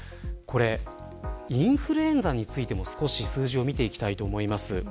インフルエンザについても数字を見ていきたいと思います。